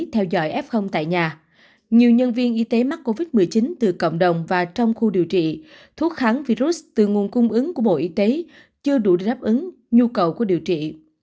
theo dõi f tại nhà nhiều nhân viên y tế mắc covid một mươi chín từ cộng đồng và trong khu điều trị thuốc kháng virus từ nguồn cung ứng của bộ y tế chưa đủ đáp ứng nhu cầu của điều trị